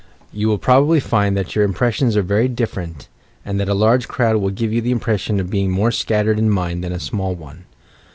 You will probably find that your impressions are very different, and that a largo crowd will give you the impression of being more scattered in mind than a small one.